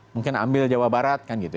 mungkin ambil jawa barat kan gitu